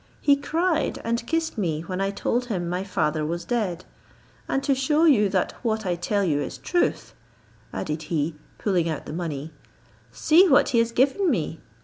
He cried and kissed me when I told him my father was dead; and to shew you that what I tell you is truth," added he, pulling out the money, "see what he has given me.